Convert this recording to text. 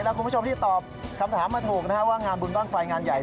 และคุณผู้ชมที่ตอบคำถามมาถูกนะฮะว่างานบุญบ้างไฟงานใหญ่